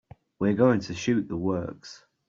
We're going to shoot the works.